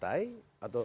atau pimpinan partai